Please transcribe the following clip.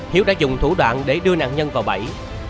hiếu đã dùng thủ đoạn để đưa nạn nhân vào bẫy